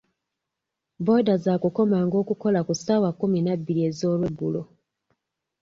Booda za kukomanga okukola ku ssaawa kkumi na bbiri ez'olweggulo.